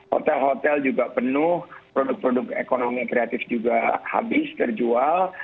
hotel hotel juga penuh produk produk ekonomi kreatif juga habis terjual